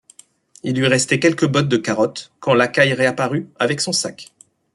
Il lui restait quelques bottes de carottes, quand Lacaille reparut, avec son sac.